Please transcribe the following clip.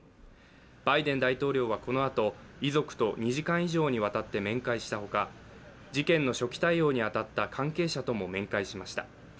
バイデン大統領はこのあと、遺族と２時間以上にわたって面会したほか事件の初期対応に当たった関係者とも面会しました。